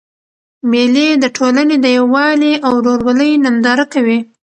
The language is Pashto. مېلې د ټولني د یووالي او ورورولۍ ننداره کوي.